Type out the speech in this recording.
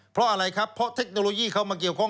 เพราะอะไรครับเพราะเทคโนโลยีเข้ามาเกี่ยวข้อง